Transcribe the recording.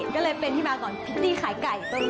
ก็เลยเป็นที่มาตอนพิตตี้ขายไก่ต้มน้ำปลาค่ะ